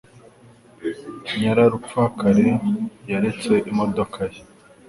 Nyararupfakara yaretse imodoka ye